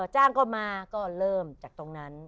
จ้างก็มาก็เริ่มจากตรงนั้น